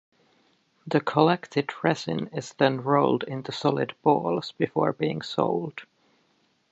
The collected resin is then rolled into solid balls before being sold.